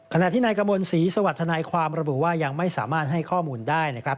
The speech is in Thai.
ขณะที่นายกระมวลศรีสวัสดิทนายความระบุว่ายังไม่สามารถให้ข้อมูลได้นะครับ